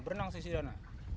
berenang di sisi sana